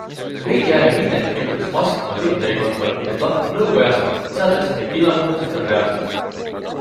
Veidi aega hiljem kirjutas Musk oma Twitteri kontol, et lahkub nõukojast, lisades, et kliimamuutused on reaalsed.